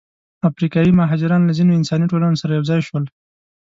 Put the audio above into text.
افریقایي مهاجران له ځینو انساني ټولنو سره یوځای شول.